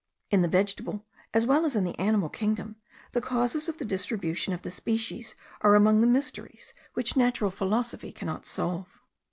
In the vegetable as well as in the animal kingdom, the causes of the distribution of the species are among the mysteries which natural philosophy cannot solve.